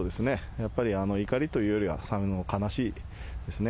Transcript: やっぱり怒りというよりは、悲しいですね。